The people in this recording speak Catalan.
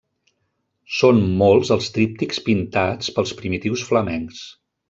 Són molts els tríptics pintats pels primitius flamencs.